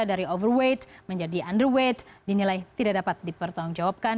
dari overweight menjadi underweight dinilai tidak dapat dipertanggungjawabkan